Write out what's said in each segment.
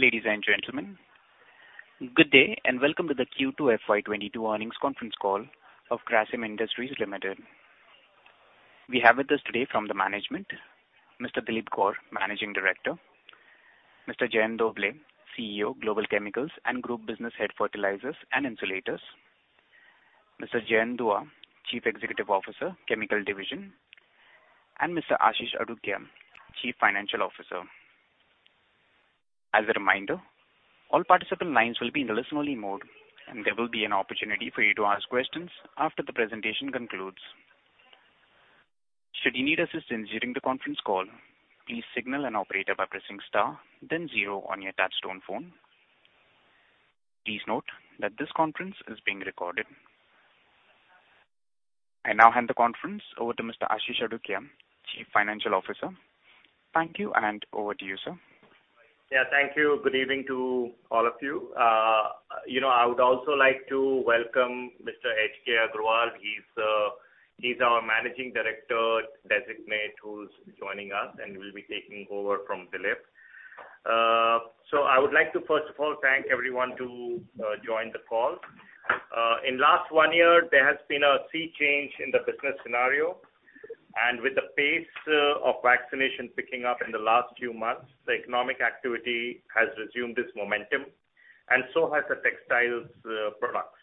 Ladies and gentlemen, good day, and welcome to the Q2 FY 2022 earnings conference call of Grasim Industries Limited. We have with us today from the management, Mr. Dilip Gaur, Managing Director, Mr. Jayant Dua, CEO, Global Chemicals and Group Business Head, Fertilizers and Insulators, Mr. Jayant Dua, Chief Executive Officer, Chemical Division, and Mr. Ashish Adukia, Chief Financial Officer. As a reminder, all participant lines will be in listen-only mode, and there will be an opportunity for you to ask questions after the presentation concludes. Should you need assistance during the conference call, please signal an operator by pressing star then zero on your touch-tone phone. Please note that this conference is being recorded. I now hand the conference over to Mr. Ashish Adukia, Chief Financial Officer. Thank you, and over to you, sir. Yeah, thank you. Good evening to all of you. You know, I would also like to welcome Mr. H. K. Agarwal. He's our Managing Director (Designate) who's joining us and will be taking over from Dilip. So I would like to, first of all, thank everyone to join the call. In last one year, there has been a sea change in the business scenario. With the pace of vaccination picking up in the last few months, the economic activity has resumed its momentum, and so has the textiles products.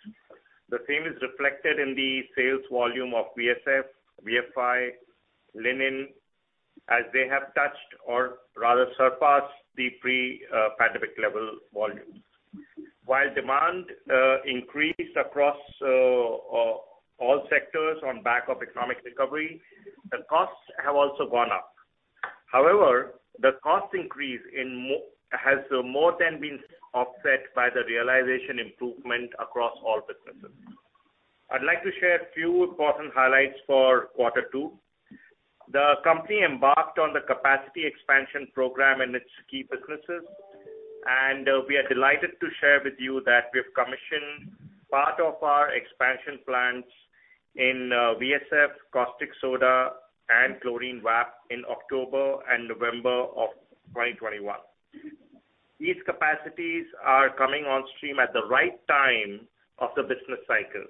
The same is reflected in the sales volume of VSF, VFI, linen, as they have touched or rather surpassed the pre-pandemic level volumes. While demand increased across all sectors on back of economic recovery, the costs have also gone up. However, the cost increase has more than been offset by the realization improvement across all businesses. I'd like to share a few important highlights for quarter two. The company embarked on the capacity expansion program in its key businesses, and we are delighted to share with you that we've commissioned part of our expansion plans in VSF, Caustic Soda and chlorine VAP in October and November of 2021. These capacities are coming on stream at the right time of the business cycle.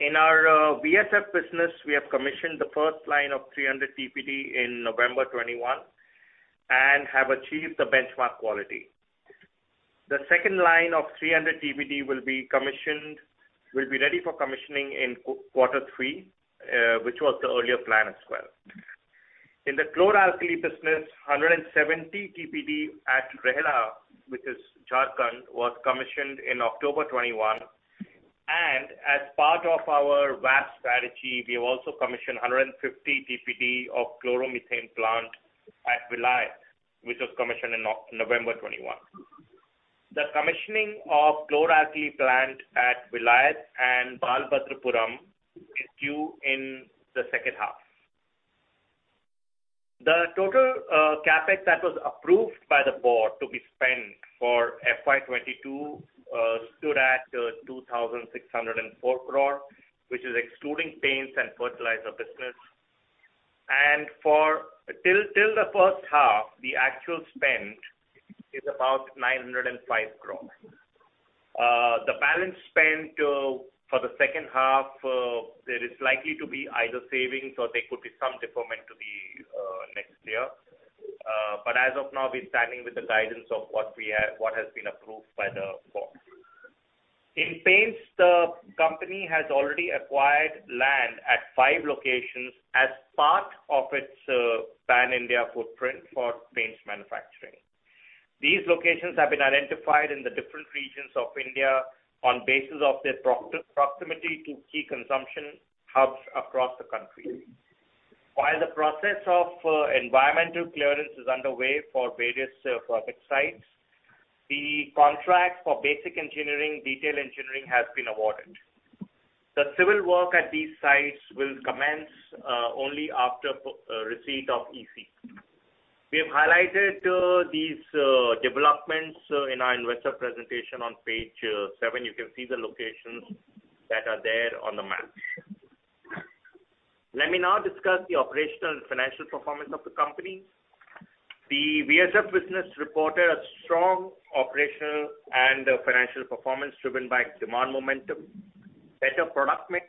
In our VSF business, we have commissioned the first line of 300 TPD in November 2021 and have achieved the benchmark quality. The second line of 300 TPD will be ready for commissioning in quarter three, which was the earlier plan as well. In the chlor-alkali business, 170 TPD at Rehla, which is Jharkhand, was commissioned in October 2021. As part of our VAP strategy, we have also commissioned 150 TPD of chloromethane plant at Vilayat, which was commissioned in November 2021. The commissioning of chlor-alkali plant at Vilayat and Balabhadrapuram is due in the second half. The total CapEx that was approved by the board to be spent for FY 2022 stood at 2,604 crore, which is excluding paints and fertilizer business. For the first half, the actual spend is about 905 crore. The balance spent for the second half, there is likely to be either savings or there could be some deferment to the next year. As of now, we're standing with the guidance of what has been approved by the board. In paints, the company has already acquired land at five locations as part of its pan-India footprint for paints manufacturing. These locations have been identified in the different regions of India on the basis of their proximity to key consumption hubs across the country. While the process of environmental clearance is underway for various project sites, the contract for basic engineering, detail engineering has been awarded. The civil work at these sites will commence only after receipt of EC. We have highlighted these developments in our investor presentation on page seven. You can see the locations that are there on the map. Let me now discuss the operational and financial performance of the company. The VSF business reported a strong operational and financial performance driven by demand momentum, better product mix,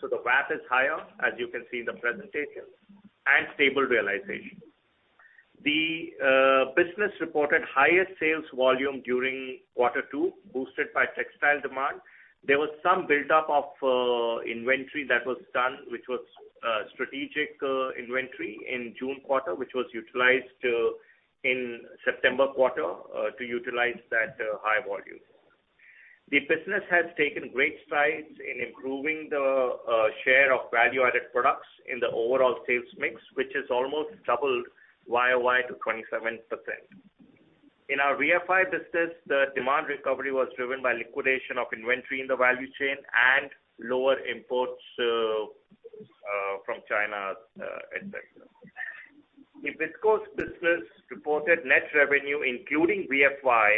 so the VAP is higher, as you can see in the presentation, and stable realization. The business reported higher sales volume during quarter two, boosted by textile demand. There was some buildup of inventory that was done, which was strategic inventory in June quarter, which was utilized in September quarter to utilize that high volume. The business has taken great strides in improving the share of value-added products in the overall sales mix, which has almost doubled YoY to 27%. In our VFI business, the demand recovery was driven by liquidation of inventory in the value chain and lower imports from China, et cetera. The Viscose business reported net revenue, including VFI,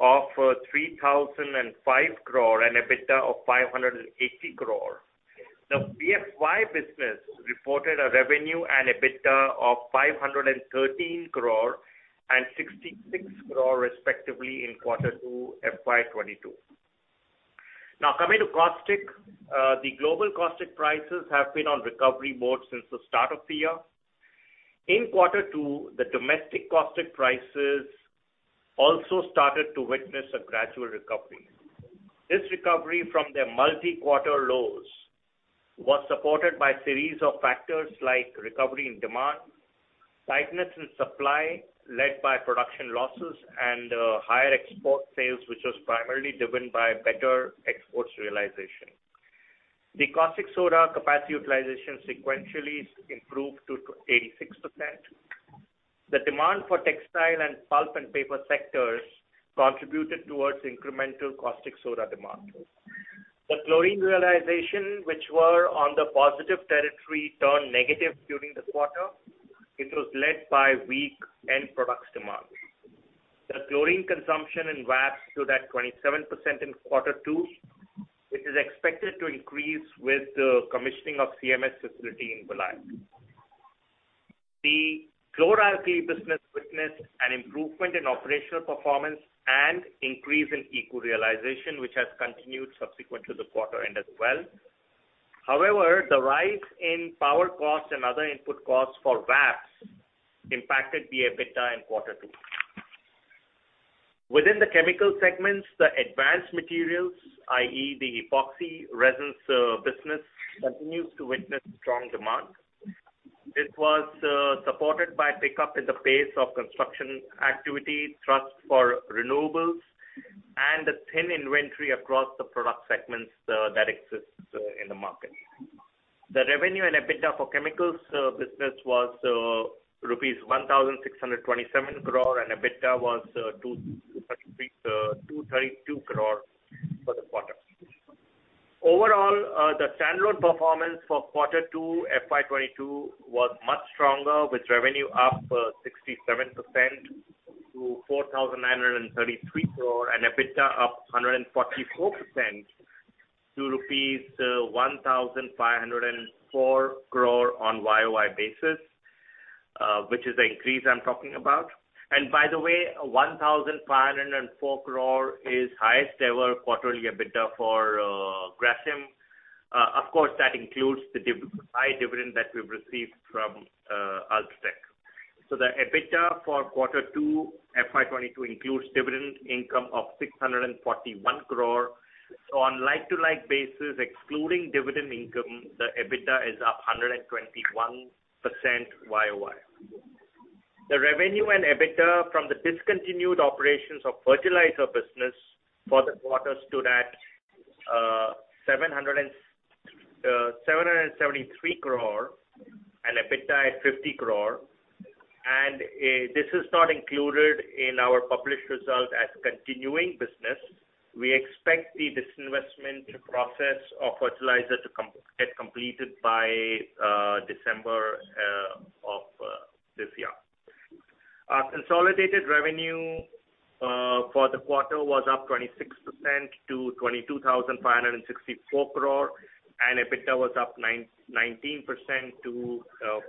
of 3,005 crore and EBITDA of 580 crore. The BFY business reported revenue and EBITDA of 513 crore and 66 crore respectively in quarter two, FY 2022. Now coming to caustic. The global caustic prices have been on recovery mode since the start of the year. In quarter two, the domestic caustic prices also started to witness a gradual recovery. This recovery from their multi-quarter lows was supported by a series of factors like recovery in demand, tightness in supply led by production losses and higher export sales, which was primarily driven by better exports realization. The caustic soda capacity utilization sequentially improved to 86%. The demand for textile and pulp and paper sectors contributed towards incremental caustic soda demand. The chlorine realization, which were on the positive territory, turned negative during the quarter. It was led by weak end products demand. The chlorine consumption in VAPS stood at 27% in quarter two, which is expected to increase with the commissioning of CMS facility in Vizag. The chlor-alkali business witnessed an improvement in operational performance and increase in ECU realization, which has continued subsequent to the quarter end as well. However, the rise in power costs and other input costs for VAPS impacted the EBITDA in quarter two. Within the chemical segments, the advanced materials, i.e., the Epoxy Resins business, continues to witness strong demand. It was supported by pickup in the pace of construction activity thrust for renewables and the thin inventory across the product segments that exists in the market. The revenue and EBITDA for chemicals business was rupees 1,627 crore, and EBITDA was 232 crore for the quarter. Overall, the standalone performance for quarter two, FY 2022 was much stronger, with revenue up 67% to 4,933 crore and EBITDA up 144% to rupees 1,504 crore on YoY basis, which is the increase I'm talking about. By the way, 1,504 crore is highest ever quarterly EBITDA for Grasim. Of course, that includes the dividend that we've received from UltraTech. The EBITDA for quarter two, FY 2022 includes dividend income of 641 crore. On like-for-like basis, excluding dividend income, the EBITDA is up 121% YOY. The revenue and EBITDA from the discontinued operations of fertilizer business for the quarter stood at 773 crore and EBITDA at 50 crore. This is not included in our published results as continuing business. We expect the disinvestment process of fertilizer to get completed by December of this year. Consolidated revenue for the quarter was up 26% to 22,564 crore, and EBITDA was up 19% to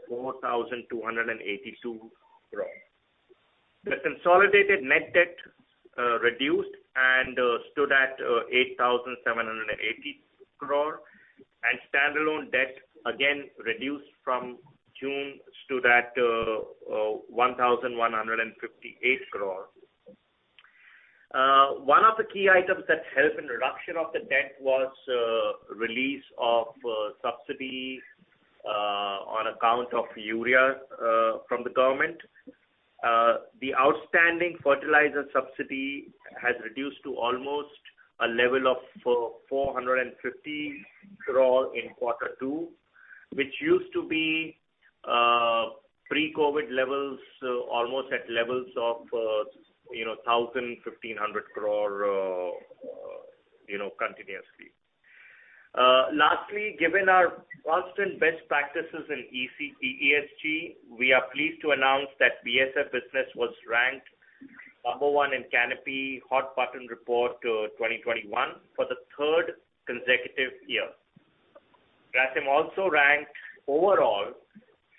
4,282 crore. The consolidated net debt reduced and stood at 8,780 crore, and standalone debt again reduced from June, stood at 1,158 crore. One of the key items that helped in reduction of the debt was release of subsidy on account of urea from the government. The outstanding fertilizer subsidy has reduced to almost a level of 450 crore in quarter two, which used to be pre-COVID levels almost at levels of, you know, 1,000-1,500 crore, you know, continuously. Lastly, given our constant best practices in ESG, we are pleased to announce that VSF business was ranked number one in Canopy Hot Button Report 2021 for the third consecutive year. Grasim also ranked overall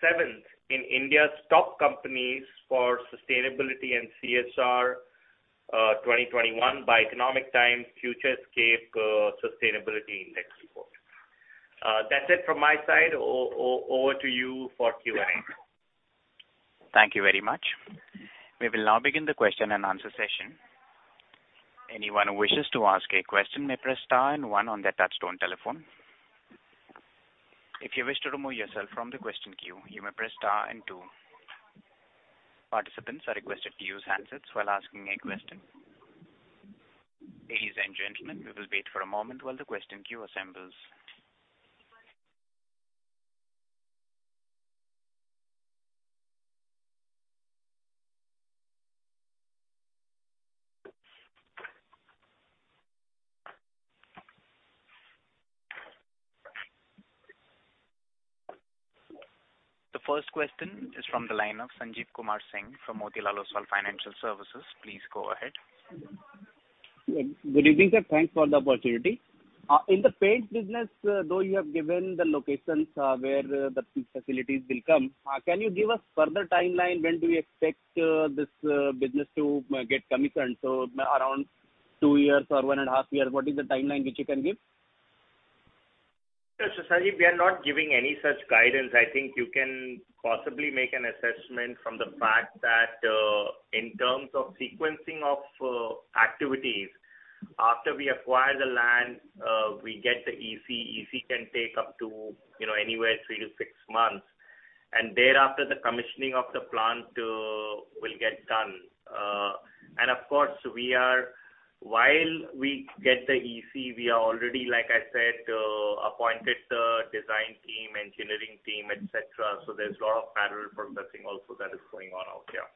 seventh in India's top companies for sustainability and CSR 2021 by Economic Times Futurescape Sustainability Index Report. That's it from my side. Over to you for Q&A. Thank you very much. We will now begin the question and answer session. Anyone who wishes to ask a question may press star and one on their touch-tone telephone. If you wish to remove yourself from question queue, you may press star and two. Participants are requested to use handsets while asking a question. Ladies and gentlemen, we will wait for a moment while the question queue being assembled. The first question is from the line of Sanjeev Kumar Singh from Motilal Oswal Financial Services. Please go ahead. Good evening, sir. Thanks for the opportunity. In the paint business, though you have given the locations where the facilities will come, can you give us further timeline when do you expect this business to get commissioned, so around two years or 1.5 years? What is the timeline which you can give? Yes. Sanjeev, we are not giving any such guidance. I think you can possibly make an assessment from the fact that, in terms of sequencing of activities, after we acquire the land, we get the EC. EC can take up to, you know, anywhere three to six months, and thereafter, the commissioning of the plant will get done. Of course, while we get the EC, we are already, like I said, appointed the design team, engineering team, et cetera. There's a lot of parallel processing also that is going on out there.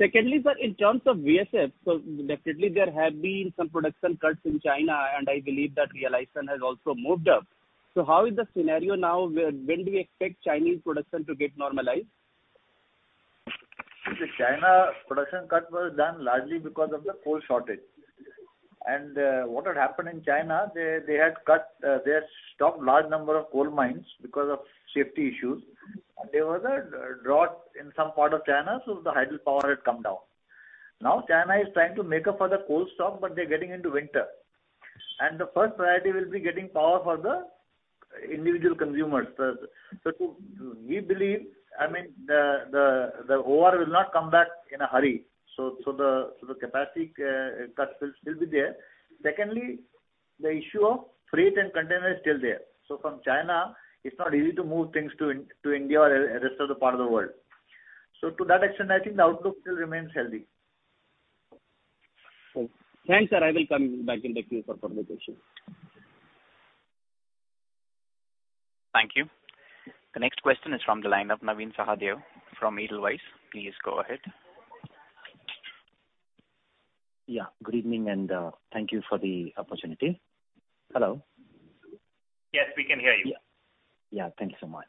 Secondly, sir, in terms of VSF, so definitely there have been some production cuts in China, and I believe that realization has also moved up. How is the scenario now? When do we expect Chinese production to get normalized? The China production cut was done largely because of the coal shortage. What had happened in China, they had stopped a large number of coal mines because of safety issues. There was a drought in some parts of China, so the hydropower had come down. China is trying to make up for the coal stop, but they're getting into winter. The first priority will be getting power for the individual consumers. We believe the OR will not come back in a hurry. The capacity cut will still be there. Secondly, the issue of freight and container is still there. From China, it's not easy to move things to India or the rest of the world. To that extent, I think the outlook still remains healthy. Cool. Thanks, sir. I will come back in the queue for further questions. Thank you. The next question is from the line of Navin Sahadeo from Edelweiss. Please go ahead. Yeah, good evening and thank you for the opportunity. Hello? Yes, we can hear you. Thank you so much.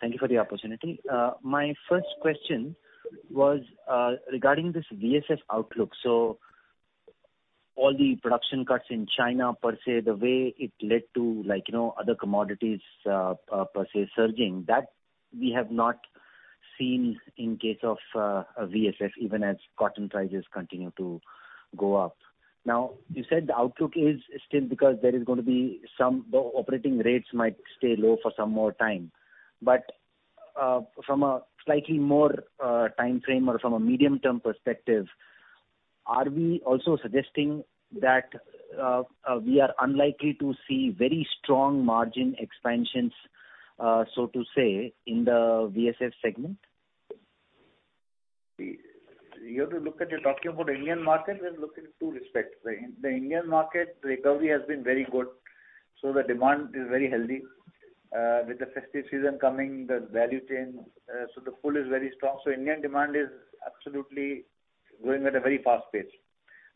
Thank you for the opportunity. My first question was regarding this VSF outlook. All the production cuts in China, per se, the way it led to, like, you know, other commodities, per se surging, that we have not seen in case of VSF, even as cotton prices continue to go up. Now, you said the outlook is still because the operating rates might stay low for some more time. From a slightly more timeframe or from a medium-term perspective, are we also suggesting that we are unlikely to see very strong margin expansions, so to say, in the VSF segment? You have to look at it. You're talking about Indian market and look in two respects. The Indian market recovery has been very good, so the demand is very healthy. With the festive season coming, the value chain, so the pull is very strong. So Indian demand is absolutely growing at a very fast pace,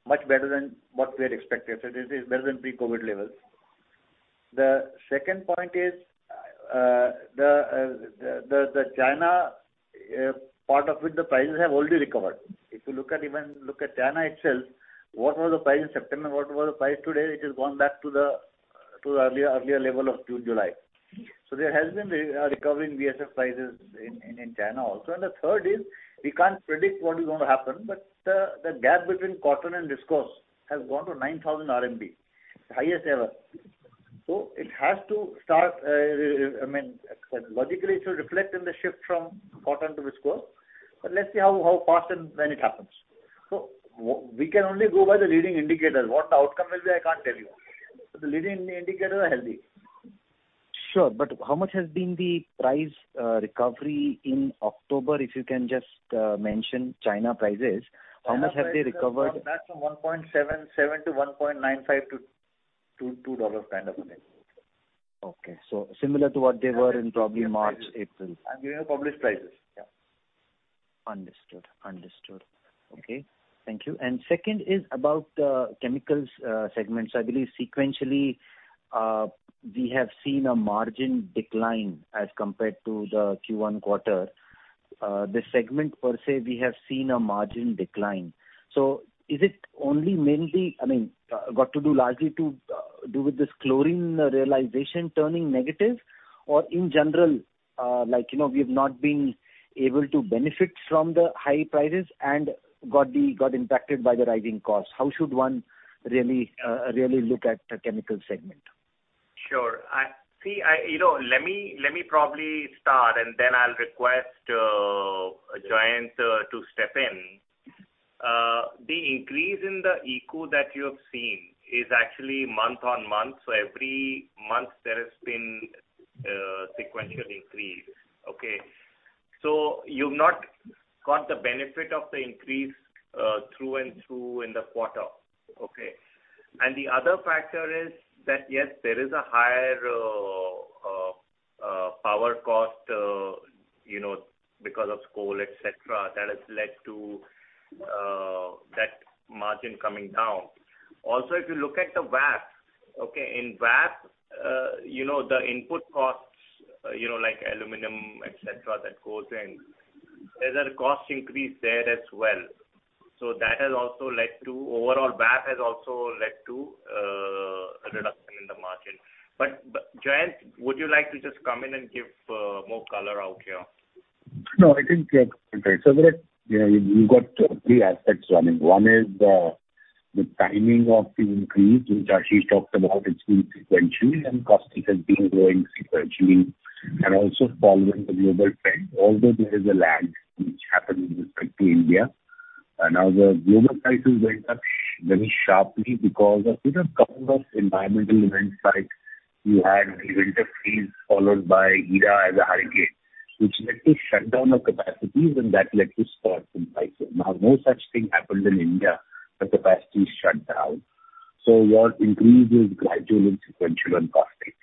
much better than what we had expected. So this is better than pre-COVID levels. The second point is, the China part of it, the prices have already recovered. If you look at China itself, what was the price in September, what was the price today, it has gone back to the earlier level of June, July. So there has been a recovery in VSF prices in China also. The third is, we can't predict what is gonna happen, but the gap between cotton and viscose has gone to 9,000 RMB, the highest ever. It has to start, I mean, logically, it should reflect in the shift from cotton to viscose. Let's see how fast and when it happens. We can only go by the leading indicators. What the outcome will be, I can't tell you. The leading indicators are healthy. Sure. How much has been the price recovery in October, if you can just mention China prices? How much have they recovered? China prices have gone back from $1.77 to $1.95 to $2 kind of level. Okay. Similar to what they were in probably March, April. I'm giving you published prices. Yeah. Understood. Okay. Thank you. Second is about chemicals segment. I believe sequentially we have seen a margin decline as compared to the Q1 quarter. The segment per se, we have seen a margin decline. Is it only mainly, I mean, got to do largely to do with this chlorine realization turning negative? Or in general, like, you know, we've not been able to benefit from the high prices and got impacted by the rising costs. How should one really look at the chemical segment? Sure. See, you know, let me probably start, and then I'll request Jayant to step in. The increase in the ECU that you have seen is actually month-on-month. Every month there has been sequential increase. Okay? You've not got the benefit of the increase through and through in the quarter. Okay? The other factor is that, yes, there is a higher power cost, you know, because of coal, et cetera, that has led to margin coming down. Also, if you look at the VAP, okay, in VAP, you know, the input costs, you know, like aluminum, et cetera, that goes in, there's a cost increase there as well. That has also led to overall VAP a reduction in the margin. Jayant, would you like to just come in and give more color out here? No, I think you are correct. There are, you know, you've got three aspects running. One is the timing of the increase, which Ashish talked about, it's been sequential and caustic has been growing sequentially and also following the global trend, although there is a lag which happened with respect to India. Now the global prices went up very sharply because of, you know, couple of environmental events like you had the winter freeze followed by Ida as a hurricane, which led to shutdown of capacities and that led to spikes in prices. Now, no such thing happened in India, the capacity shut down. What increased is gradual and sequential and caustic.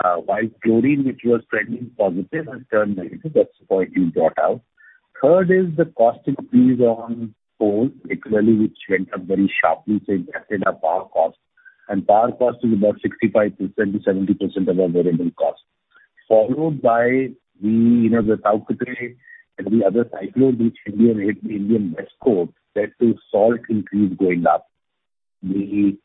While chlorine which was trending positive has turned negative, that's the point you brought out. Third is the cost increase on coal literally which went up very sharply, so it affected our power cost. Power cost is about 65%-70% of our variable cost. Followed by, you know, the Tauktae and the other cyclone which hit the Indian west coast led to salt increase going up. The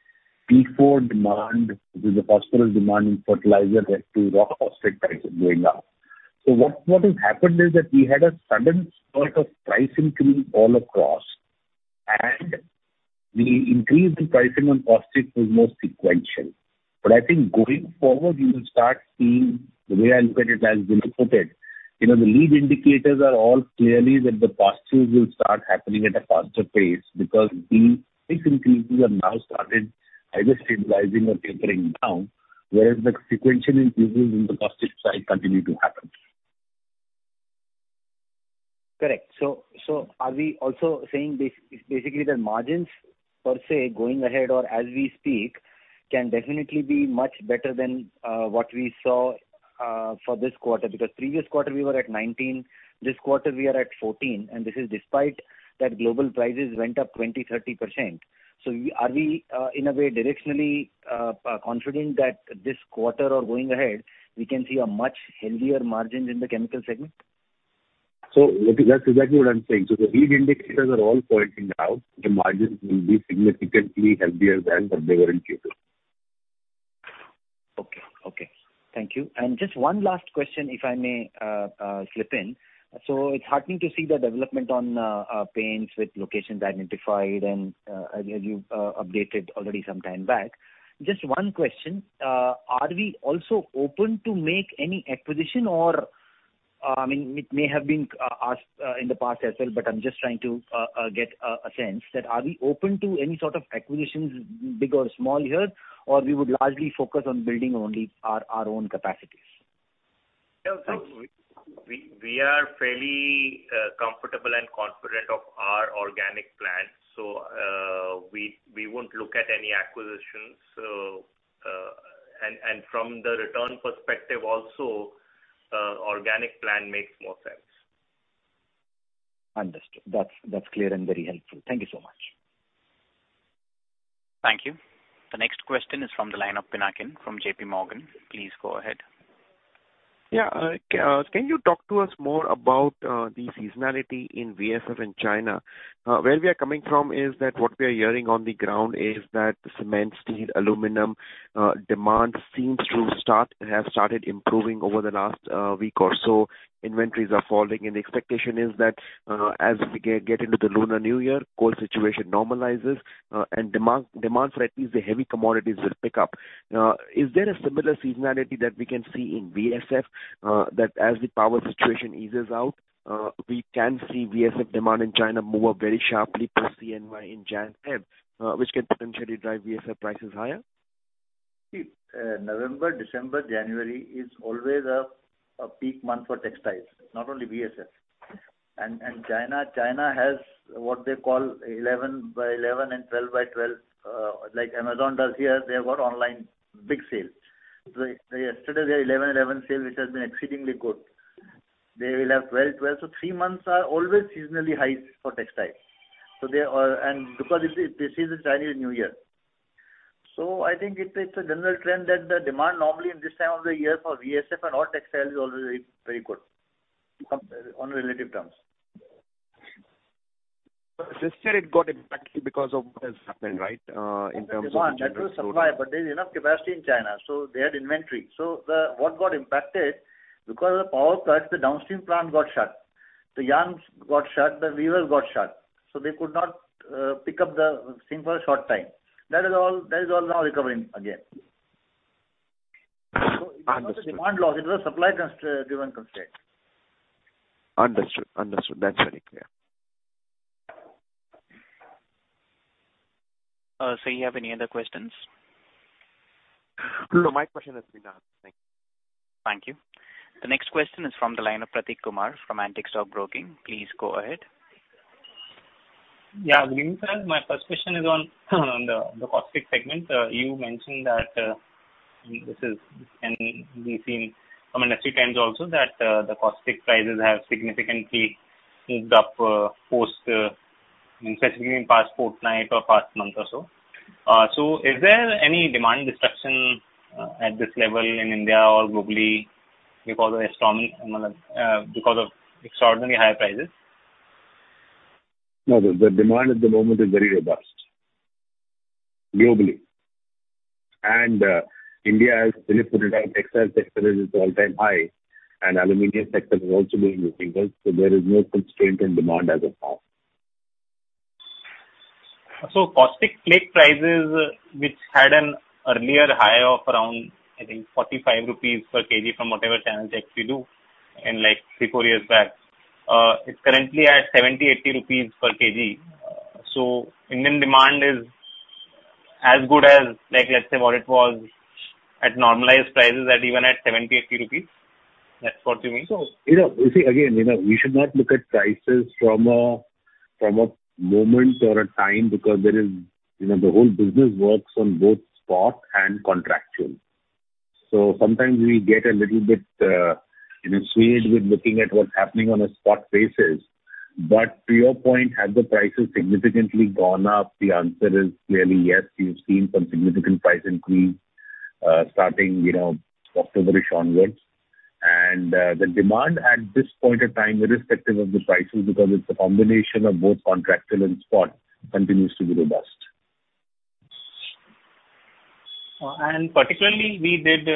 P4 demand, which is the phosphorus demand in fertilizer led to raw phosphate prices going up. What has happened is that we had a sudden spike of pricing coming all across. The increase in pricing on caustic was more sequential. I think going forward, you will start seeing, the way I look at it, as Ashish put it, you know, the lead indicators are all clearly that the positives will start happening at a faster pace because these price increases have now started either stabilizing or tapering down, whereas the sequential increases in the caustic side continue to happen. Correct. Are we also saying basically the margins per se going ahead or as we speak can definitely be much better than what we saw for this quarter? Because previous quarter we were at 19%, this quarter we are at 14%, and this is despite that global prices went up 20%-30%. Are we in a way directionally confident that this quarter or going ahead, we can see a much healthier margins in the chemical segment? That, that's exactly what I'm saying. The lead indicators are all pointing out the margins will be significantly healthier than what they were in Q2. Okay. Thank you. Just one last question, if I may, slip in. It's heartening to see the development on paints with locations identified and you updated already some time back. Just one question. Are we also open to make any acquisition? Or, I mean, it may have been asked in the past as well, but I'm just trying to get a sense that are we open to any sort of acquisitions, big or small here, or we would largely focus on building only our own capacities? Thanks. Yeah. We are fairly comfortable and confident of our organic plan. We won't look at any acquisitions. From the return perspective also, organic plan makes more sense. Understood. That's clear and very helpful. Thank you so much. Thank you. The next question is from the line of Pinakin from JPMorgan. Please go ahead. Yeah. Can you talk to us more about the seasonality in VSF in China? Where we are coming from is that what we are hearing on the ground is that the cement, steel, aluminum demand seems to have started improving over the last week or so. Inventories are falling, and the expectation is that as we get into the Lunar New Year, coal situation normalizes, and demand for at least the heavy commodities will pick up. Is there a similar seasonality that we can see in VSF, that as the power situation eases out, we can see VSF demand in China move up very sharply post CNY in January/February, which can potentially drive VSF prices higher? See, November, December, January is always a peak month for textiles, not only VSF. China has what they call 11.11 and 12.12, like Amazon does here. They've got online big sales. Yesterday they had 11.11 sale which has been exceedingly good. They will have 12.12. Three months are always seasonal highs for textiles because this is Chinese New Year. I think it's a general trend that the demand normally in this time of the year for VSF and all textiles is always very, very good on relative terms. This year it got impacted because of what has happened, right? In terms of... The demand. That was supply, but there's enough capacity in China, so they had inventory. What got impacted, because of the power cuts, the downstream plant got shut, the yarns got shut, the weavers got shut, so they could not pick up the thing for a short time. That is all now recovering again. Understood. It was not a demand loss, it was a supply-driven constraint. Understood. That's very clear. Sir, you have any other questions? No, my question has been asked. Thank you. Thank you. The next question is from the line of Prateek Kumar from Antique Stock Broking. Please go ahead. Yeah. Good evening, sir. My first question is on the caustic segment. You mentioned that this is, and we've seen from industry trends also that the caustic prices have significantly moved up, post specifically in past fortnight or past month or so. Is there any demand destruction at this level in India or globally because of extraordinarily high prices? No. The demand at the moment is very robust globally. India has really put it on. Textile sector is at all-time high, and aluminum sector has also been moving well. There is no constraint in demand as of now. Caustic flake prices, which had an earlier high of around, I think, 45 rupees per kg from whatever channel checks we do in, like, three to four years back. It's currently at 70-80 rupees per kg. Indian demand is as good as, like, let's say what it was at normalized prices at even at 70-80 rupees. That's what you mean? You know, you see again, you know, we should not look at prices from a moment or a time because there is, you know, the whole business works on both spot and contractual. Sometimes we get a little bit, you know, swayed with looking at what's happening on a spot basis. But to your point, have the prices significantly gone up? The answer is clearly yes. We've seen some significant price increase, starting, you know, October-ish onwards. The demand at this point of time, irrespective of the prices, because it's a combination of both contractual and spot, continues to be robust. Particularly we did,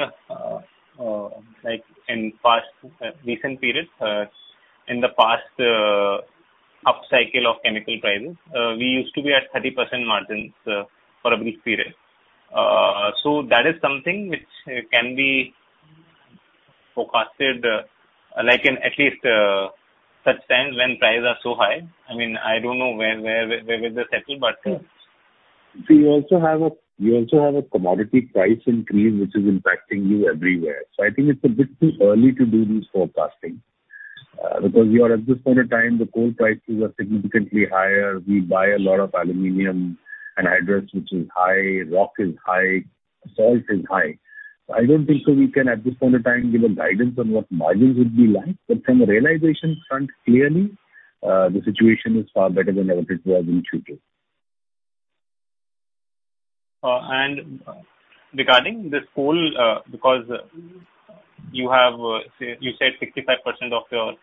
like in past recent periods, in the past upcycle of chemical prices, we used to be at 30% margins, for a brief period. That is something which can be forecasted, like in at least such times when prices are so high. I mean, I don't know where they settle, but. See, you also have a commodity price increase, which is impacting you everywhere. I think it's a bit too early to do this forecasting, because you are at this point of time, the coal prices are significantly higher. We buy a lot of aluminum and hydras, which is high, rock is high, salt is high. I don't think so we can at this point of time give a guidance on what margins would be like. From a realization front, clearly, the situation is far better than what it was in Q2. Regarding this coal, because you have, say, you said 65% of your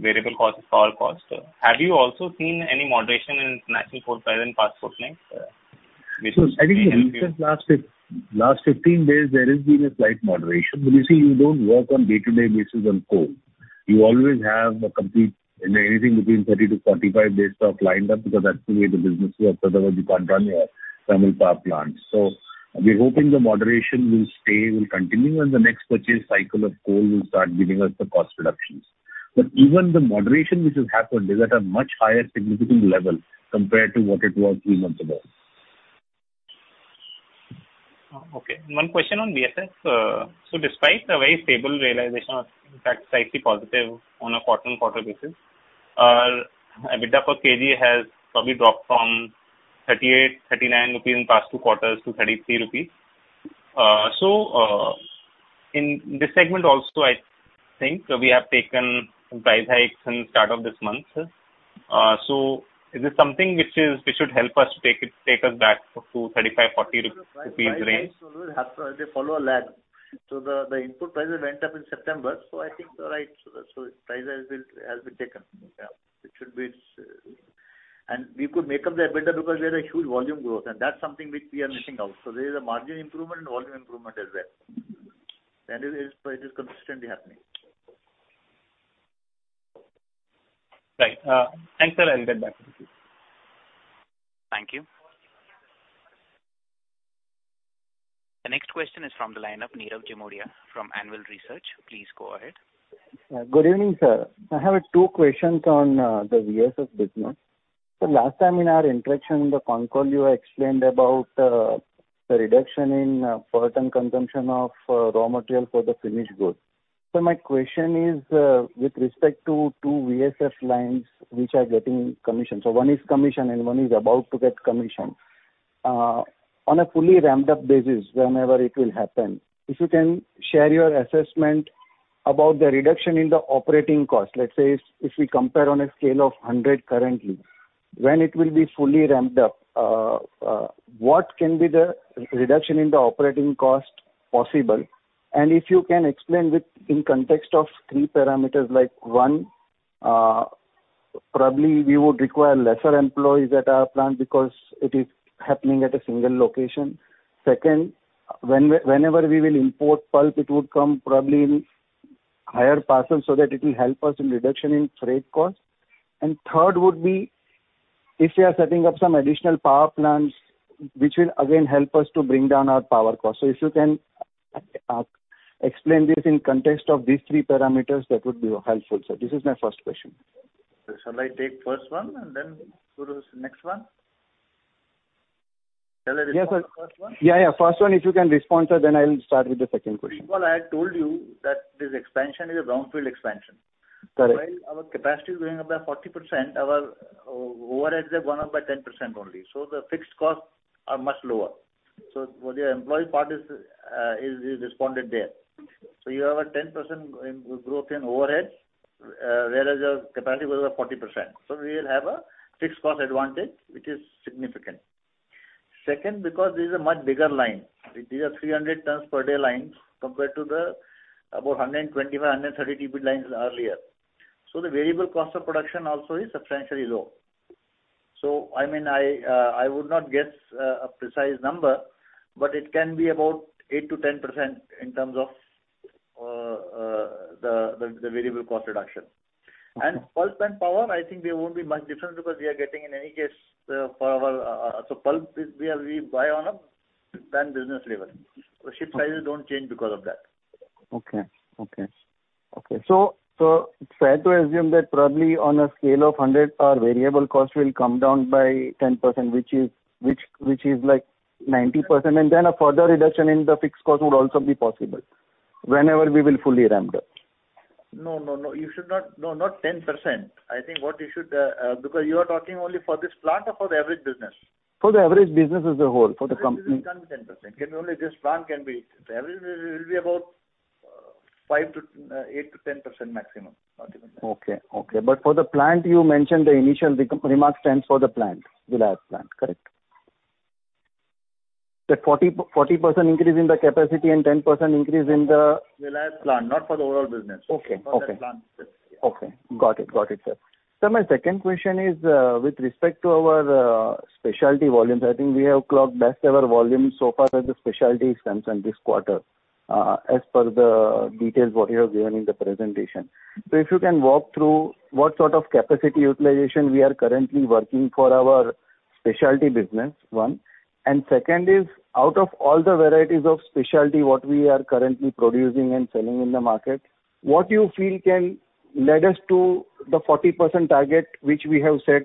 variable cost is coal cost. Have you also seen any moderation in national coal price in past fortnight? I think in recent last 15 days there has been a slight moderation. You see, you don't work on day-to-day basis on coal. You always have a complete, you know, anything between 30-45 days stock lined up because that's the way the business works, otherwise you can't run your thermal power plants. We're hoping the moderation will stay, will continue, and the next purchase cycle of coal will start giving us the cost reductions. Even the moderation which has happened is at a much higher significant level compared to what it was three months ago. Okay. One question on VSF. So despite a very stable realization, in fact, slightly positive on a quarter-over-quarter basis, our EBITDA per kg has probably dropped from 38-39 rupees in past two quarters to 33 rupees. So, in this segment also I think we have taken some price hikes since start of this month. So is this something which should help us take us back to 35-40 rupees range? Price hikes always have to, they follow a lag. The input prices went up in September, so I think the price has been taken. Yeah. It should be. We could make up the EBITDA because there's a huge volume growth, and that's something which we are missing out. There is a margin improvement and volume improvement as well. It is consistently happening. Right. Thanks, sir. I'll get back to you. Thank you. The next question is from the line of Nirav Jimudia from Anvil Research. Please go ahead. Good evening, sir. I have two questions on the VSF business. Last time in our interaction in the concall, you explained about the reduction in per ton consumption of raw material for the finished goods. My question is with respect to two VSF lines which are getting commissioned. One is commissioned and one is about to get commissioned. On a fully ramped up basis, whenever it will happen, if you can share your assessment about the reduction in the operating cost. Let's say if we compare on a scale of 100 currently, when it will be fully ramped up, what can be the reduction in the operating cost possible? If you can explain within context of three parameters, like one, probably we would require lesser employees at our plant because it is happening at a single location. Second, whenever we will import pulp, it would come probably in higher parcels so that it will help us in reduction in freight cost. Third would be if we are setting up some additional power plants, which will again help us to bring down our power cost. If you can explain this in context of these three parameters, that would be helpful, sir. This is my first question. Shall I take first one and then go to next one? Shall I respond to the first one? Yeah, yeah. First one if you can respond, sir, then I'll start with the second question. Nirav, I had told you that this expansion is a brownfield expansion. Correct. While our capacity is going up by 40%, our overheads have gone up by 10% only. The fixed costs are much lower. The employee part is absorbed there. You have a 10% growth in overhead, whereas your capacity goes up 40%. We'll have a fixed cost advantage, which is significant. Second, because this is a much bigger line. These are 300 tons per day lines compared to the about 125, 130 TPD lines earlier. The variable cost of production also is substantially low. I mean, I would not guess a precise number, but it can be about 8%-10% in terms of the variable cost reduction. Okay. Pulp and power, I think they won't be much different because we are getting in any case for our pulp. We buy on a plant business level. The ship sizes don't change because of that. Okay. Fair to assume that probably on a scale of 100, our variable cost will come down by 10%, which is like 90%, and then a further reduction in the fixed cost would also be possible whenever we will fully ramp up. No, no. You should not. No, not 10%. I think what you should, because you are talking only for this plant or for the average business? For the average business as a whole, for the company. Average business can't be 10%. Only this plant can be. The average will be about 5% to 8% to 10% maximum. Not even that. Okay. For the plant you mentioned, the initial remark stands for the plant, Vilayat Plant, correct? That 40% increase in the capacity and 10% increase in the- Vilayat Plant, not for the overall business. Okay. Okay. For that plant specifically. Okay. Got it, sir. Sir, my second question is, with respect to our specialty volumes. I think we have clocked best ever volumes so far as the specialty is concerned this quarter, as per the details what you have given in the presentation. If you can walk through what sort of capacity utilization we are currently working for our specialty business, one. Second is, out of all the varieties of specialty what we are currently producing and selling in the market, what you feel can lead us to the 40% target which we have set,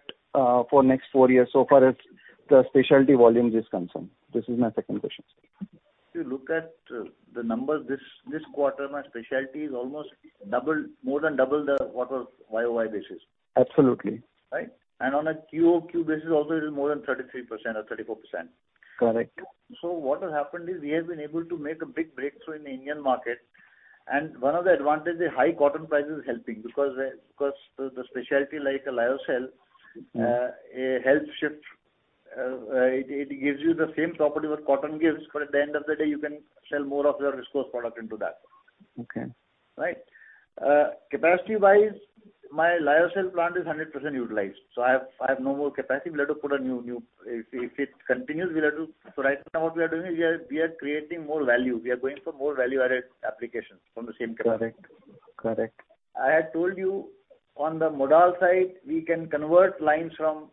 for next four years so far as the specialty volume is concerned? This is my second question, sir. If you look at the numbers this quarter, my specialty is almost double, more than double what it was on a YoY basis. Absolutely. Right? On a QoQ basis also it is more than 33% or 34%. Correct. What has happened is we have been able to make a big breakthrough in the Indian market. One of the advantage is high cotton price is helping because the specialty like a Lyocell it helps shift it gives you the same property what cotton gives, but at the end of the day, you can sell more of your viscose product into that. Okay. Right? Capacity-wise, my Lyocell plant is 100% utilized, so I have no more capacity. If it continues, we'll have to. Right now what we are doing is we are creating more value. We are going for more value-added applications from the same capacity. Correct. Correct. I had told you on the Modal side we can convert lines from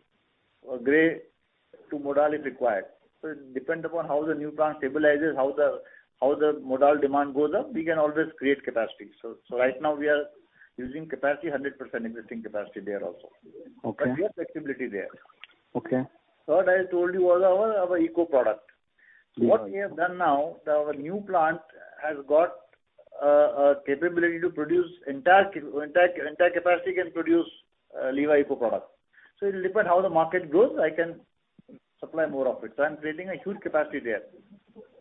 gray to Modal if required. It depend upon how the new plant stabilizes, how the Modal demand goes up. We can always create capacity. Right now we are using 100% existing capacity there also. Okay. We have flexibility there. Okay. Third, I told you was our ECU product. Yeah. What we have done now, our new plant has got a capability to produce. The entire capacity can produce Livaeco product. It'll depend how the market grows, I can supply more of it. I'm creating a huge capacity there.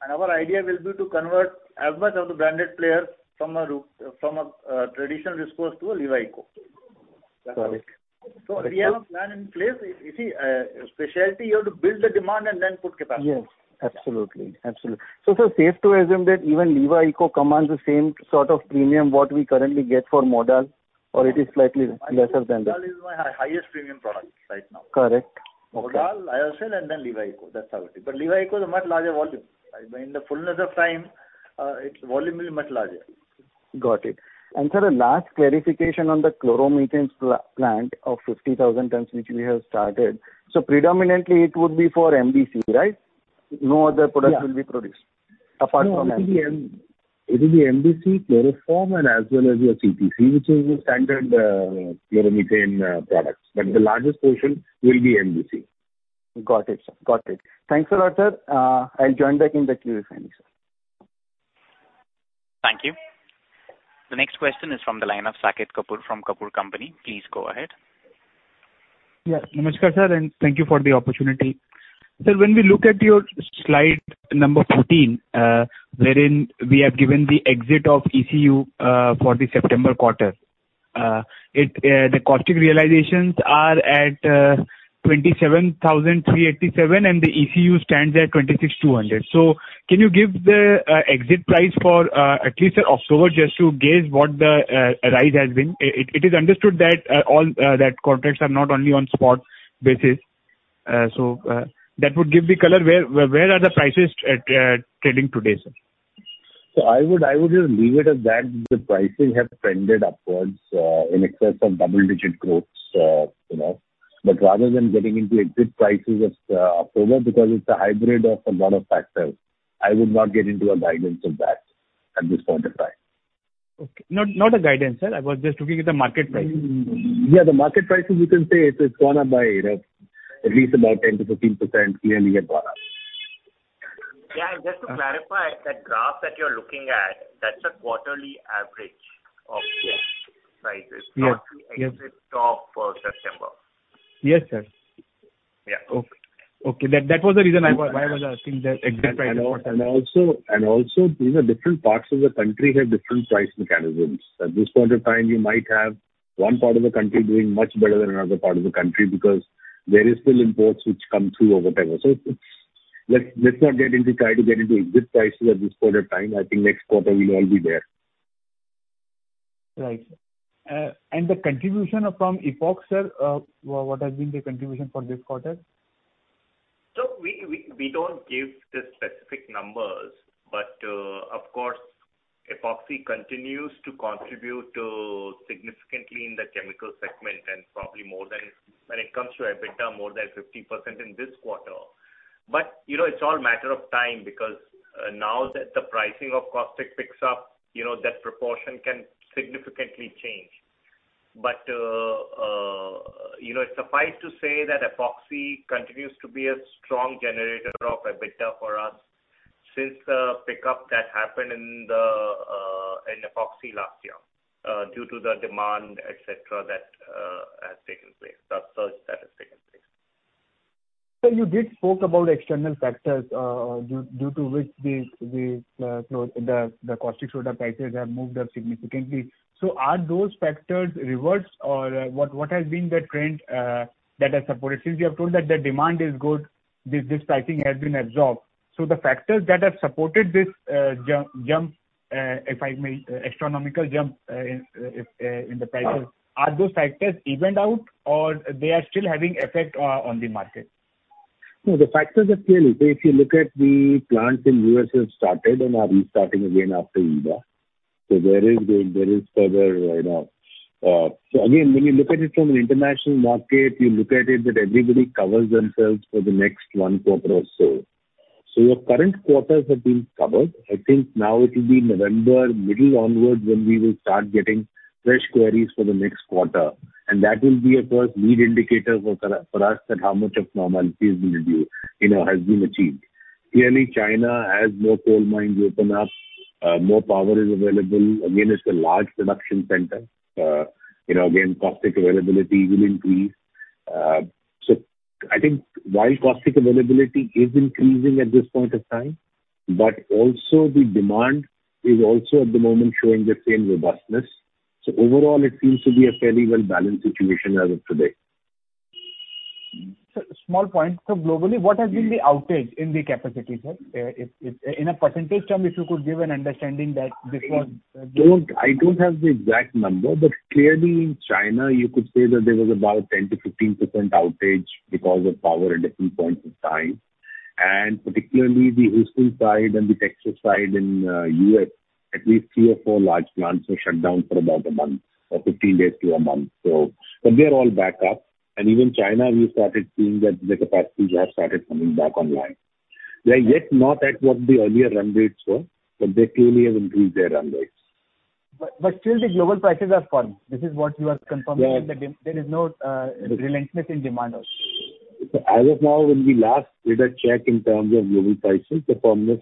Our idea will be to convert as much of the branded players from a traditional viscose to a Livaeco. That's all. Got it. We have a plan in place. You see, specialty you have to build the demand and then put capacity. Yes, absolutely. So safe to assume that even Livaeco commands the same sort of premium that we currently get for Modal, or it is slightly lesser than that? I think Modal is my highest premium product right now. Correct. Okay. Modal, Lyocell, and then Livaeco. That's how it is. Livaeco is a much larger volume. In the fullness of time, its volume will be much larger. Got it. Sir, a last clarification on the chloromethane plant of 50,000 tons, which we have started. Predominantly it would be for MDC, right? No other product? Yeah. will be produced apart from MDC. No, it will be MDC, chloroform, and as well as your CTC, which is your standard chloromethane products. But the largest portion will be MDC. Got it, sir. Got it. Thanks a lot, sir. I'll join back in the queue refining, sir. Thank you. The next question is from the line of Saket Kapoor from Kapoor Company. Please go ahead. Yeah. Namaskar, sir, and thank you for the opportunity. Sir, when we look at your slide number 14, wherein we have given the exit of ECU for the September quarter, the caustic realizations are at 27,387, and the ECU stands at 26,200. Can you give the exit price for at least October just to gauge what the rise has been? It is understood that all contracts are not only on spot basis. That would give the color where the prices are trading today, sir? I would just leave it at that. The pricing has trended upwards in excess of double-digit growth, you know. Rather than getting into exit prices as October, because it's a hybrid of a lot of factors, I would not get into a guidance of that at this point in time. Okay. Not a guidance, sir. I was just looking at the market pricing. Yeah, the market pricing you can say it has gone up by, you know, at least about 10%-15% clearly at Barafi. Just to clarify, the graph that you're looking at, that's a quarterly average of prices. Yes. Yes. Not the exit of September. Yes, sir. Yeah. Okay. That was the reason why I was asking the exit price for September. you know, different parts of the country have different price mechanisms. At this point of time, you might have one part of the country doing much better than another part of the country because there is still imports which come through or whatever. Let's not try to get into exit prices at this point of time. I think next quarter we'll all be there. Right. The contribution from Epoxy, sir, what has been the contribution for this quarter? We don't give the specific numbers, but of course, Epoxy continues to contribute significantly in the chemical segment, and probably more than what it comes to EBITDA, more than 50% in this quarter. It's all a matter of time because now that the pricing of caustic picks up, that proportion can significantly change. Suffice to say that Epoxy continues to be a strong generator of EBITDA for us since the pickup that happened in Epoxy last year due to the demand, et cetera, that has taken place. The surge that has taken place. Sir, you did spoke about external factors due to which the caustic soda prices have moved up significantly. Are those factors reversed or what has been the trend that has supported? Since you have told that the demand is good, this pricing has been absorbed. The factors that have supported this jump, if I may, astronomical jump in the prices. Yeah. Are those factors evened out or they are still having effect on the market? No, the factors are clear. If you look at the plants in U.S. have started and are restarting again after Ida. There is further tightness. Again, when you look at it from an international market, you look at it that everybody covers themselves for the next 1 quarter or so. Your current quarters have been covered. I think now it will be mid-November onwards when we will start getting fresh queries for the next quarter. That will be, of course, leading indicator for us that how much of normalcy is going to be, you know, has been achieved. Clearly, China has more coal mines open up. More power is available. Again, it's a large production center. You know, again, caustic availability will increase. I think while caustic availability is increasing at this point of time, but also the demand is also at the moment showing the same robustness. Overall it seems to be a fairly well balanced situation as of today. Sir, small point. Globally, what has been the outage in the capacity, sir? If in a percentage term, if you could give an understanding that this was, I don't have the exact number, but clearly in China you could say that there was about 10%-15% outage because of power at different points of time. Particularly the Houston side and the Texas side in U.S., at least three or four large plants were shut down for about a month or 15 days to a month. They're all back up. Even China, we started seeing that the capacities have started coming back online. They're yet not at what the earlier run rates were, but they clearly have increased their run rates. Still the global prices have fallen. This is what you are confirming. Yeah. There is no relentlessness in demand also. As of now, when we last did a check in terms of global prices, the firmness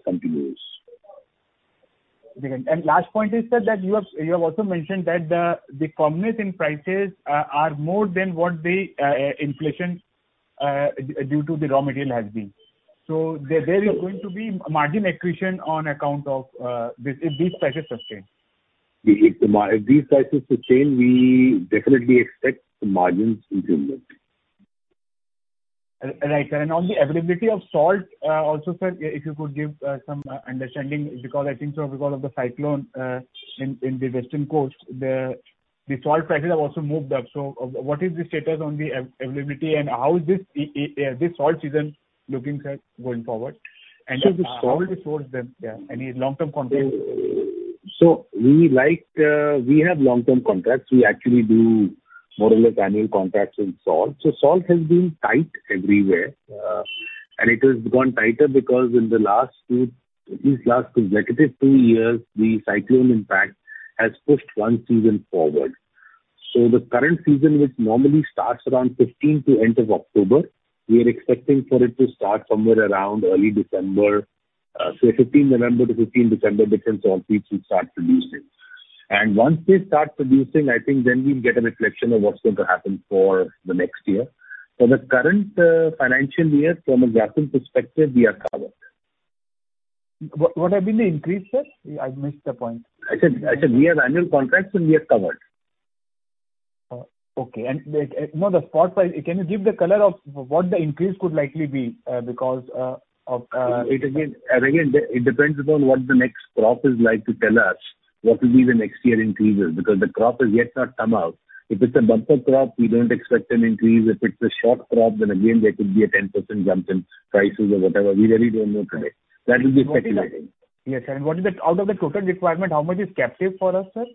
continues. Last point is, sir, that you have also mentioned that the firmness in prices are more than what the inflation due to the raw material has been. There is going to be margin accretion on account of if these prices sustain. If these prices sustain, we definitely expect the margins to improve. Right, sir. On the availability of salt, also, sir, if you could give some understanding because I think so because of the cyclone in the western coast, the salt prices have also moved up. What is the status on the availability and how is this salt season looking, sir, going forward? How will you source them? Yeah. Any long-term contracts? We like, we have long-term contracts. We actually do more or less annual contracts in salt. Salt has been tight everywhere. It has gone tighter because in the last two consecutive years, the cyclone impact has pushed one season forward. The current season, which normally starts around 15 to end of October, we are expecting for it to start somewhere around early December. Say 15 November to 15 December, different salt fields will start producing. Once they start producing, I think then we'll get a reflection of what's going to happen for the next year. For the current financial year from a sourcing perspective, we are covered. What have been the increase, sir? I've missed the point. I said we have annual contracts, so we are covered. Okay. You know, the spot price. Can you give the color of what the increase could likely be, because of, It again, it depends upon what the next crop is like to tell us what will be the next year increases, because the crop has yet not come out. If it's a bumper crop, we don't expect an increase. If it's a short crop, then again there could be a 10% jump in prices or whatever. We really don't know today. That will be speculating. Yes. What is the out of the total requirement, how much is captive for us, sir?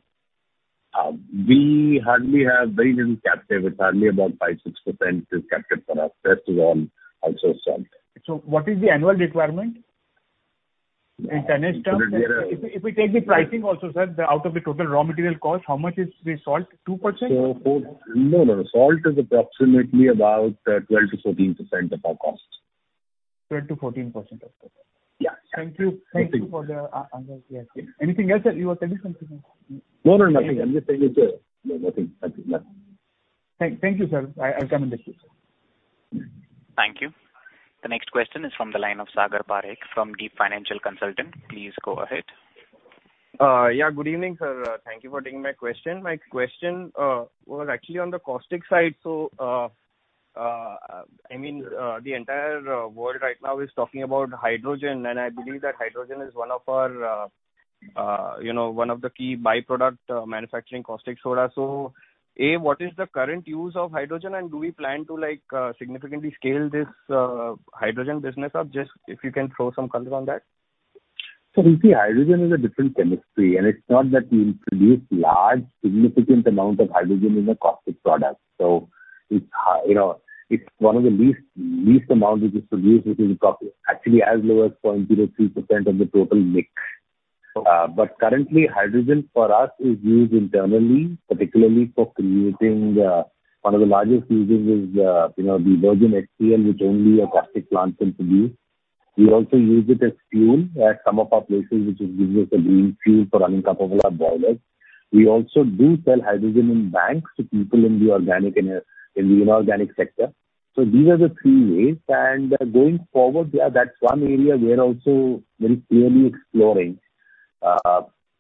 We hardly have very little captive. It's hardly about 5%-6% is captive for us. Rest is all also sold. What is the annual requirement? In tonnage terms. If we take the pricing also, sir, out of the total raw material cost, how much is the salt? 2%? No, no. Salt is approximately about 12%-14% of our cost. 12%-14% of total. Yeah. Thank you. Thank you for the answer. Anything else that you were telling something? No, nothing. I'm just saying it's, no nothing. Thank you. Thank you, sir. I'll come back to you, sir. Thank you. The next question is from the line of Sagar Parekh from Deep Financial Consultants. Please go ahead. Yeah, good evening, sir. Thank you for taking my question. My question was actually on the Caustic side. I mean, the entire world right now is talking about hydrogen, and I believe that hydrogen is one of our, you know, one of the key by-product manufacturing Caustic Soda. A, what is the current use of hydrogen and do we plan to, like, significantly scale this hydrogen business up? Just if you can throw some color on that. You see, hydrogen is a different chemistry, and it's not that we introduce large significant amount of hydrogen in a caustic product. It's one of the least amount which is produced, which is caustic. Actually as low as 0.03% of the total mix. Currently hydrogen for us is used internally, particularly for creating one of the largest uses is the virgin HCl, which only a caustic plant can produce. We also use it as fuel at some of our places, which gives us a green fuel for running couple of our boilers. We also do sell hydrogen in banks to people in the organic and the inorganic sector. These are the three ways. Going forward, yeah, that's one area we are also very clearly exploring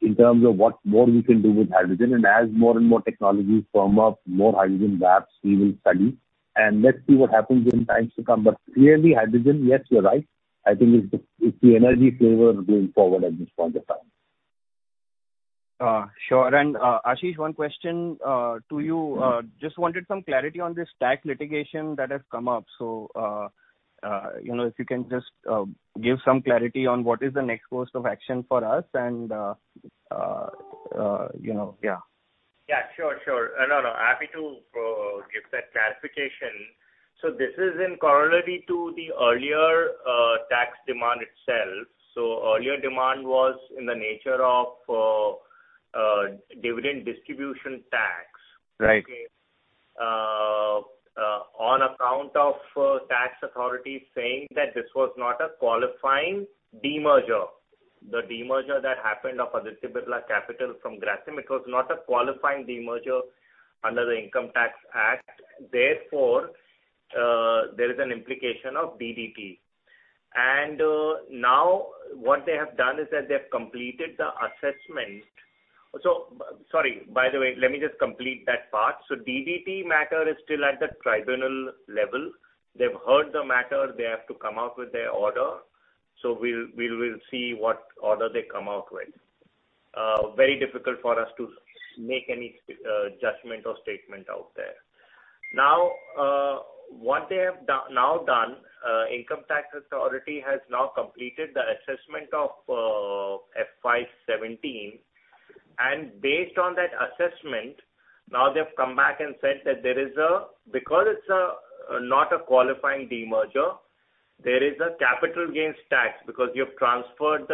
in terms of what more we can do with hydrogen. As more and more technologies firm up, more hydrogen labs we will study and let's see what happens in times to come. Clearly hydrogen, yes, you're right, I think is the energy flavor going forward at this point of time. Sure. Ashish, one question to you. Just wanted some clarity on this tax litigation that has come up. You know, if you can just give some clarity on what is the next course of action for us and, you know, yeah. Yeah, sure. No, happy to give that clarification. This is in corollary to the earlier tax demand itself. Earlier demand was in the nature of dividend distribution tax. Right. On account of tax authorities saying that this was not a qualifying demerger. The demerger that happened of Aditya Birla Capital from Grasim, it was not a qualifying demerger under the Income Tax Act. Therefore, there is an implication of DDT. Now what they have done is that they've completed the assessment. Sorry, by the way, let me just complete that part. DDT matter is still at the tribunal level. They've heard the matter. They have to come out with their order. We'll see what order they come out with. Very difficult for us to make any judgment or statement out there. Now, what they have now done, the income tax authority has now completed the assessment of FY 2017. Based on that assessment, now they've come back and said that there is a capital gains tax because it's not a qualifying demerger, because you've transferred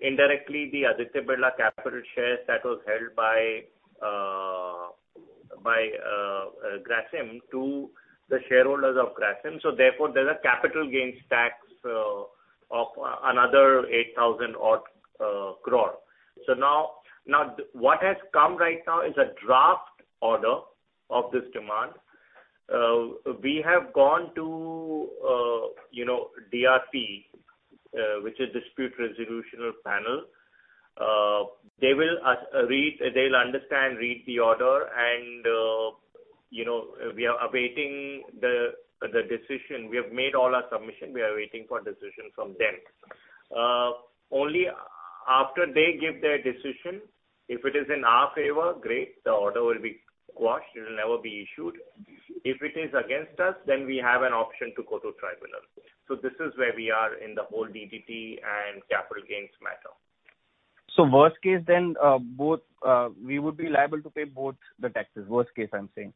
indirectly the Aditya Birla Capital shares that was held by Grasim to the shareholders of Grasim. Therefore, there's a capital gains tax of another 8,000 crore. Now what has come right now is a draft order of this demand. We have gone to, you know, DRP, which is Dispute Resolution Panel. They'll understand, read the order and, you know, we are awaiting the decision. We have made all our submission. We are waiting for decision from them. Only after they give their decision, if it is in our favor, great, the order will be quashed. It will never be issued. If it is against us, then we have an option to go to tribunal. This is where we are in the whole DDT and capital gains matter. Worst case then, both we would be liable to pay both the taxes. Worst case, I'm saying.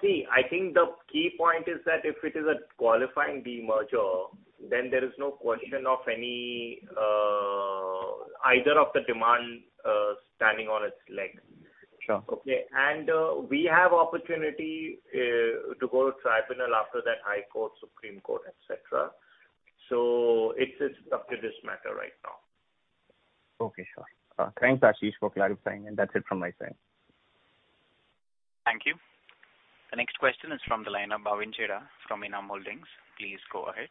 See, I think the key point is that if it is a qualifying demerger, then there is no question of either of the demands standing on its legs. Sure. Okay. We have opportunity to go to tribunal after that, High Court, Supreme Court, et cetera. It's up to this matter right now. Okay, sure. Thanks Ashish for clarifying, and that's it from my side. Thank you. The next question is from the line of Bhavin Chheda from ENAM Holdings. Please go ahead.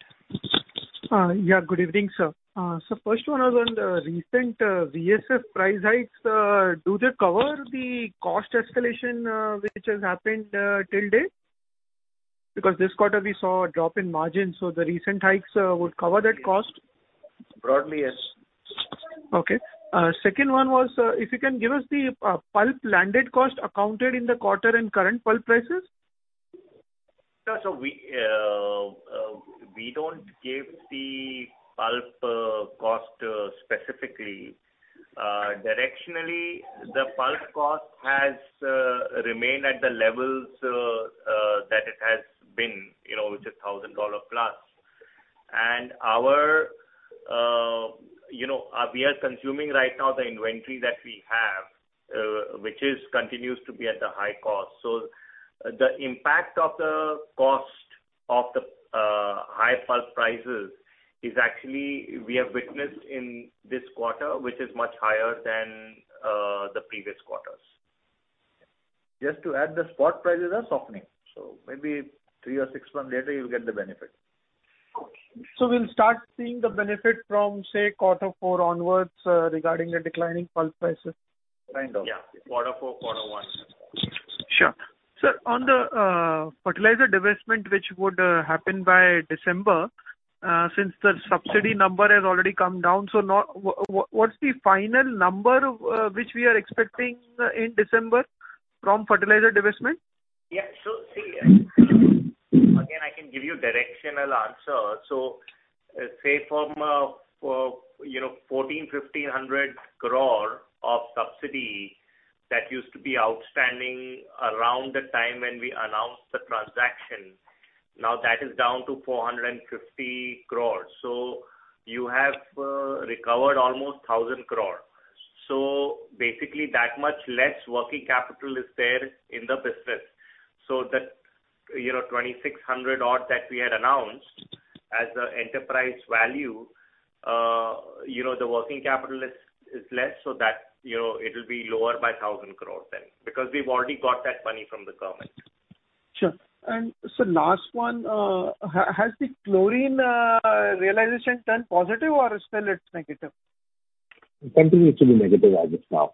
Yeah, good evening, sir. First one was on the recent VSF price hikes. Do they cover the cost escalation, which has happened till date? Because this quarter we saw a drop in margin, so the recent hikes would cover that cost. Broadly, yes. Okay. Second one was, if you can give us the pulp landed cost accounted in the quarter and current pulp prices? Yeah. We don't give the pulp cost specifically. Directionally, the pulp cost has remained at the levels that it has been, you know, which is $1,000 plus. Our, you know, we are consuming right now the inventory that we have, which continues to be at the high cost. The impact of the cost of the high pulp prices is actually we have witnessed in this quarter, which is much higher than the previous quarters. Just to add, the spot prices are softening, so maybe three or six months later you'll get the benefit. Okay. We'll start seeing the benefit from, say, quarter four onwards, regarding the declining pulp prices. Kind of. Yeah. Quarter four, quarter one. Sure. Sir, on the fertilizer divestment, which would happen by December, since the subsidy number has already come down, so now what's the final number of which we are expecting in December from fertilizer divestment? Yeah. See, again, I can give you directional answer. Say from, you know, 1,400-1,500 crore of subsidy that used to be outstanding around the time when we announced the transaction. Now that is down to 450 crore. You have recovered almost 1,000 crore. Basically that much less working capital is there in the business. That, you know, 2,600 odd that we had announced as the enterprise value, you know, the working capital is less, so that, you know, it will be lower by 1,000 crore then, because we've already got that money from the government. Sure. Sir, last one. Has the chlorine realization turned positive or still it's negative? Continues to be negative as of now.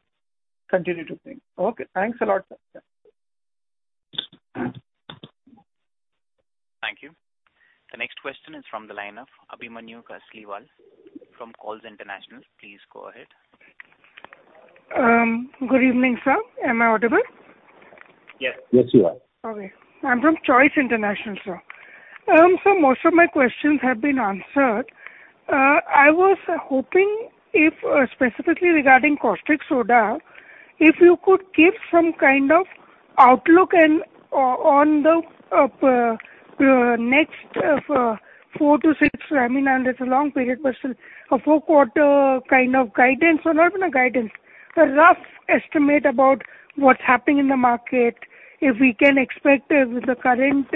Continue to be. Okay. Thanks a lot, sir. Thank you. The next question is from the line of Abhimanyu Kasliwal from Choice International. Please go ahead. Good evening, sir. Am I audible? Yes. Yes, you are. Okay. I'm from Choice International, sir. Most of my questions have been answered. I was hoping if specifically regarding Caustic Soda, if you could give some kind of outlook and on the next four to six months, I mean, I know it's a long period, but still a fourth quarter kind of guidance. Or not even a guidance, a rough estimate about what's happening in the market, if we can expect the current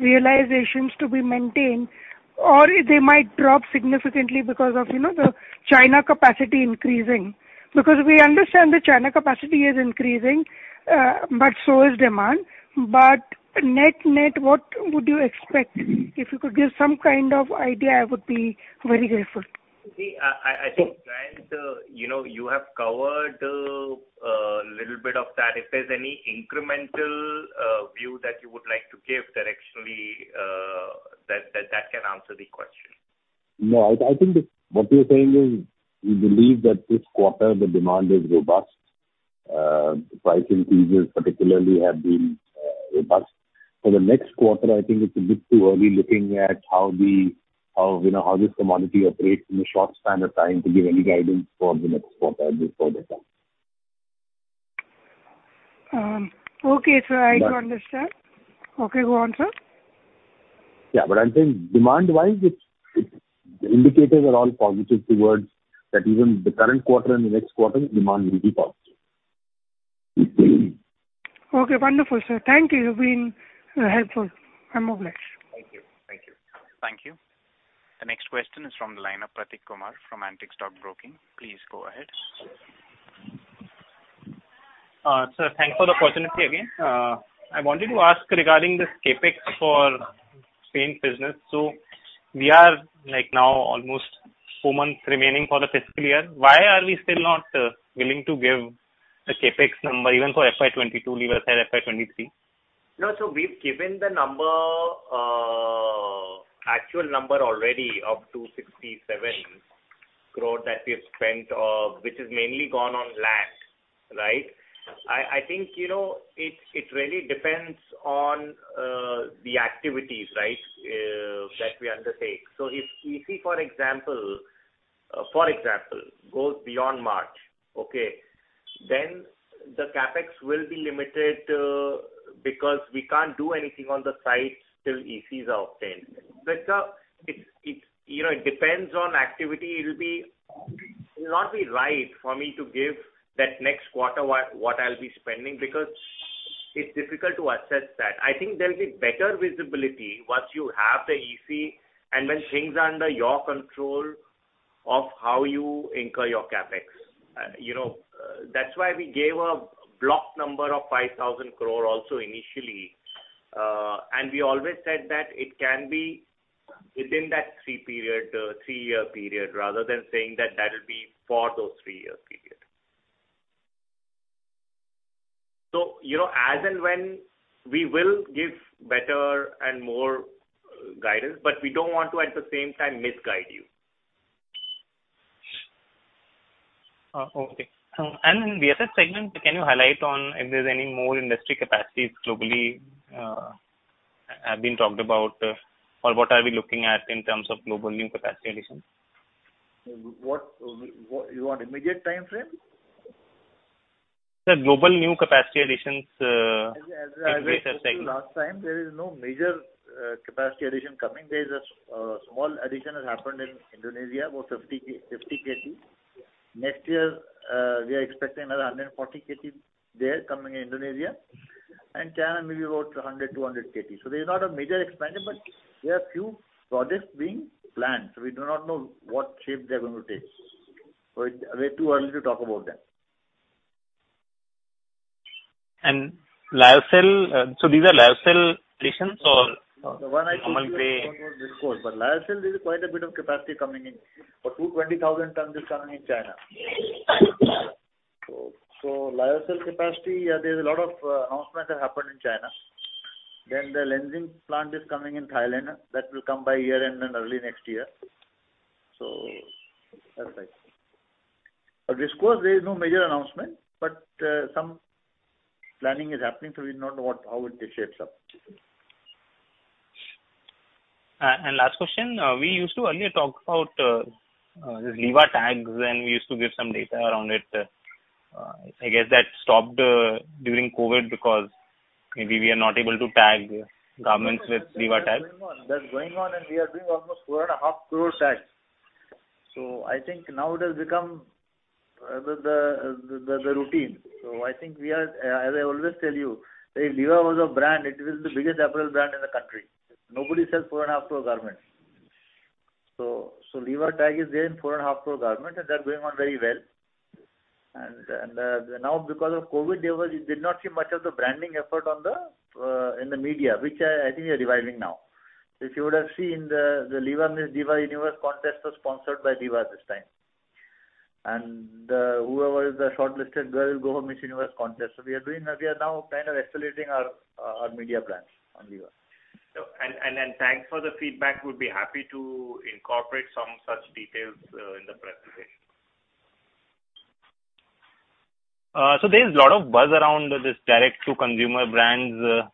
realizations to be maintained or if they might drop significantly because of, you know, the China capacity increasing. Because we understand the China capacity is increasing, but so is demand. Net-net, what would you expect? If you could give some kind of idea, I would be very grateful. See, I think, you know, you have covered a little bit of that. If there's any incremental view that you would like to give directionally, that can answer the question. No, I think what we are saying is we believe that this quarter the demand is robust. Price increases particularly have been robust. For the next quarter, I think it's a bit too early looking at how, you know, how this commodity operates in a short span of time to give any guidance for the next quarter at this point of time. Okay, sir. I do understand. Okay, go on, sir. Yeah, I'm saying demand-wise, it's the indicators are all positive towards that. Even the current quarter and the next quarter, demand will be positive. Okay, wonderful, sir. Thank you. You've been helpful. I'm obliged. Thank you. Thank you. Thank you. The next question is from the line of Prateek Kumar from Antique Stock Broking. Please go ahead. Sir, thanks for the opportunity again. I wanted to ask regarding this CapEx for paint business. We are like now almost four months remaining for the fiscal year. Why are we still not willing to give a CapEx number even for FY 2022, leave aside FY 2023? No. We've given the number, actual number already of 267 crore that we have spent, which has mainly gone on land, right? I think, you know, it really depends on the activities, right, that we undertake. If we see, for example, goes beyond March, okay, then the CapEx will be limited, because we can't do anything on the sites till ECs are obtained. It depends on activity, you know. It'll not be right for me to give that next quarter what I'll be spending because it's difficult to assess that. I think there'll be better visibility once you have the EC and when things are under your control of how you incur your CapEx. You know, that's why we gave a block number of 5,000 crore also initially. We always said that it can be within that three-year period rather than saying that that'll be for those three-year period. You know, as and when we will give better and more guidance, but we don't want to at the same time misguide you. Okay. In the asset segment, can you highlight on if there's any more industry capacities globally, or what are we looking at in terms of global new capacity additions? What, you want immediate time frame? The global new capacity additions. As I told you last time, there is no major capacity addition coming. There is a small addition that happened in Indonesia, about 50 KT. Next year, we are expecting another 140 KT there coming in Indonesia and China maybe about 100-200 KT. There's not a major expansion, but there are few projects being planned, so we do not know what shape they're gonna take. It's way too early to talk about that. Lyocell, so these are Lyocell additions or normal gray? The one I discussed on this call, but Lyocell there's quite a bit of capacity coming in. About 220,000 tons is coming in China. So Lyocell capacity, yeah, there's a lot of announcement that happened in China. The Lenzing plant is coming in Thailand. That will come by year-end and early next year. That's right. Viscose there is no major announcement, but some planning is happening, so we don't know how it shapes up. Last question. We used to earlier talk about this Liva tags, and we used to give some data around it. I guess that stopped during COVID because maybe we are not able to tag garments with Liva tags. That's going on and we are doing almost 4.5 crore tags. I think now it has become the routine. I think we are, as I always tell you, if Liva was a brand, it is the biggest apparel brand in the country. Nobody sells 4.5 crore garments. Liva tag is there in 4.5 crore garments, and they're going on very well. Now because of COVID, there was you did not see much of the branding effort on the in the media, which I think we are reviving now. If you would have seen, the Liva Miss Diva Universe contest was sponsored by Liva this time. Whoever is the shortlisted girl will go for Miss Universe contest. We are now kind of accelerating our media plans on Liva. Thanks for the feedback. We'd be happy to incorporate some such details in the presentation. There's a lot of buzz around this direct to consumer brands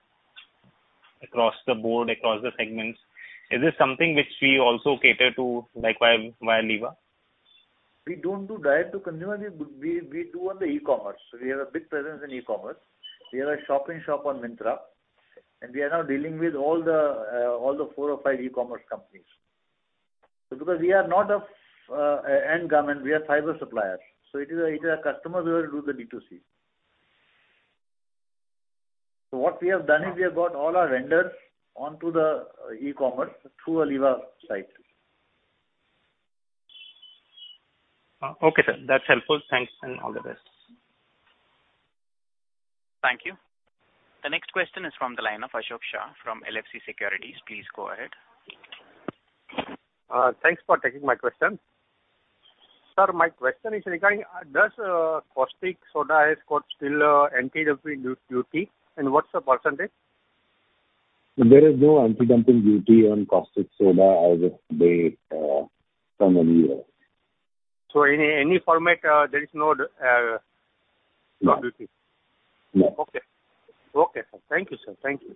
across the board, across the segments. Is this something which we also cater to, like, via Liva? We don't do direct to consumer. We do on the e-commerce. We have a big presence in e-commerce. We have a shopping shop on Myntra, and we are now dealing with all the four or five e-commerce companies. Because we are not a finished garment, we are fiber suppliers, so it is our customers who will do the D2C. What we have done is we have got all our vendors onto the e-commerce through our Liva site. Okay, sir. That's helpful. Thanks and all the best. Thank you. The next question is from the line of Ashok Shah from LFC Securities. Please go ahead. Thanks for taking my question. Sir, my question is regarding does Caustic Soda has got still anti-dumping duty, and what's the percentage? There is no anti-dumping duty on Caustic Soda as of today from India. Any format, there is no duty? No. Okay. Okay, sir. Thank you, sir. Thank you.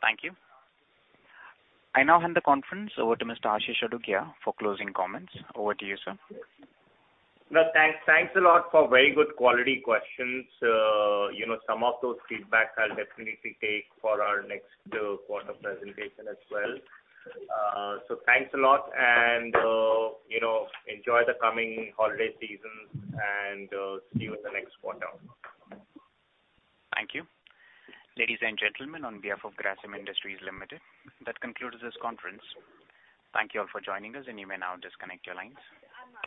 Thank you. I now hand the conference over to Mr. Ashish Adukia for closing comments. Over to you, sir. Well, thanks a lot for very good quality questions. You know, some of those feedback I'll definitely take for our next quarter presentation as well. Thanks a lot and, you know, enjoy the coming holiday seasons and see you in the next quarter. Thank you. Ladies and gentlemen, on behalf of Grasim Industries Limited, that concludes this conference. Thank you all for joining us, and you may now disconnect your lines.